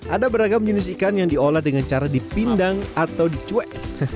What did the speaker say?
ada beragam jenis ikan yang diolah dengan cara dipindang atau dicuek